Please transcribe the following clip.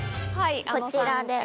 こちらで。